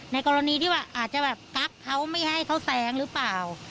กรณีที่ว่าอาจจะแบบกั๊กเขาไม่ให้เขาแซงหรือเปล่า